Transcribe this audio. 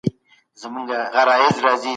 ځینې خلک وزن په آسانۍ ساتي.